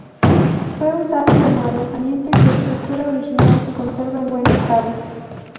Fue usada como alojamiento y su estructura original se conserva en buen estado.